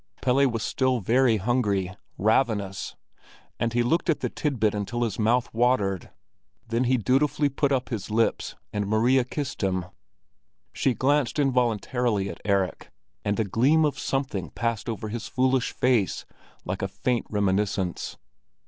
Pelle was still very hungry—ravenous; and he looked at the titbit until his mouth watered. Then he dutifully put up his lips and Maria kissed him. She glanced involuntarily at Erik, and a gleam of something passed over his foolish face, like a faint reminiscence.